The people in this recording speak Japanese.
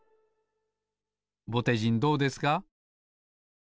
ぼてじんどうですか？